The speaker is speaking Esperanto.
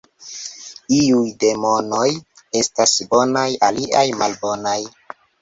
Iuj demonoj estas bonaj, aliaj malbonaj.